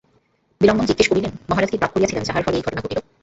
বিল্বন জিজ্ঞাসা করিলেন, মহারাজ কী পাপ করিয়াছিলেন যাহার ফলে এই ঘটনা ঘটিল?